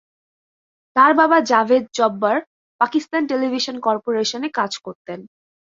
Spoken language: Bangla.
তার বাবা জাভেদ জব্বার পাকিস্তান টেলিভিশন কর্পোরেশনে কাজ করতেন।